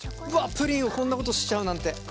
プリンをこんなことしちゃうなんて珍しい。